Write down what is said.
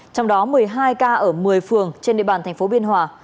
trong đó một mươi hai ca ở một mươi phường trên địa bàn thành phố biên hòa